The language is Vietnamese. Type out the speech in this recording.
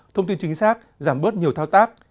thông tin chính xác giảm bớt nhiều thao tác